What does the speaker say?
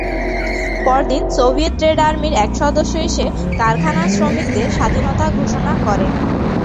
পরদিন Soviet red আর্মির এক সদস্য এসে কারখানার শ্রমিকদের স্বাধীনতা ঘোষণা করেন।